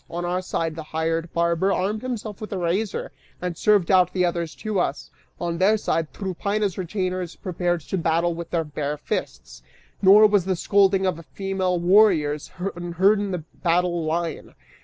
On our side, the hired barber armed himself with a razor and served out the others to us; on their side, Tryphaena's retainers prepared to battle with their bare fists, nor was the scolding of female warriors unheard in the battle line.